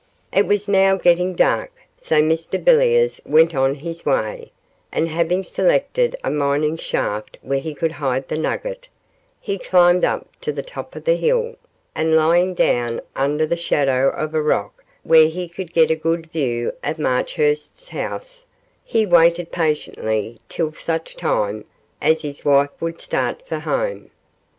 It was now getting dark; so Mr Villiers went on his own way, and having selected a mining shaft where he could hide the nugget, he climbed up to the top of the hill, and lying down under the shadow of a rock where he could get a good view of Marchurst's house, he waited patiently till such time as his wife would start for home.